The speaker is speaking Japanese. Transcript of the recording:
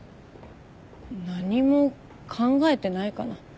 何も考えてないかな。